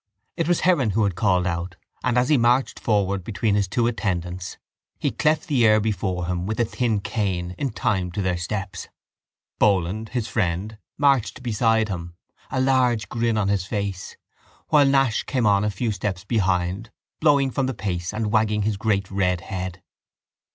It was Heron who had called out and, as he marched forward between his two attendants, he cleft the air before him with a thin cane, in time to their steps. Boland, his friend, marched beside him, a large grin on his face, while Nash came on a few steps behind, blowing from the pace and wagging his great red head.